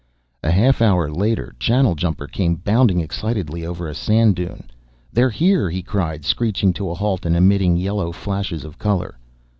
A half hour later, Channeljumper came bounding excitedly over a sand dune. "They're here," he cried, screeching to a halt and emitting yellow flashes of color.